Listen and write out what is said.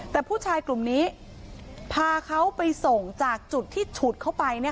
แต่ผู้ชายกลุ่มนี้พาเขาไปส่งจากจุดที่ฉุดเข้าไป